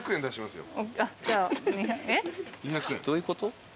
えっ？どういうこと？